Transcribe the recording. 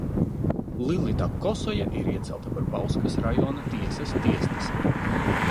Lilita Kosoja ir iecelta par Bauskas rajona tiesas tiesnesi.